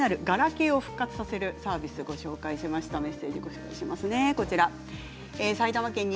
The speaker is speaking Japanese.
ガラケーを復活させるサービスをご紹介しました。